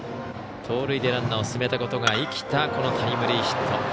盗塁でランナーを進めたことが生きたこのタイムリーヒット。